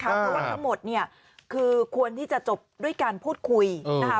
เพราะว่าทั้งหมดเนี่ยคือควรที่จะจบด้วยการพูดคุยนะคะ